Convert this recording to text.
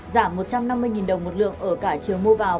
giảm một trăm năm mươi đồng một lượng ở cả chiều mua vào